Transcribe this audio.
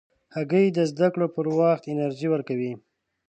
هګۍ د زده کړو پر وخت انرژي ورکوي.